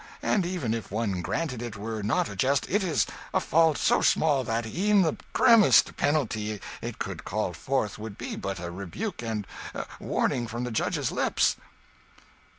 And even if one granted it were not a jest, it is a fault so small that e'en the grimmest penalty it could call forth would be but a rebuke and warning from the judge's lips."